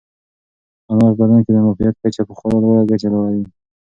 انار په بدن کې د معافیت کچه په خورا لوړه کچه لوړوي.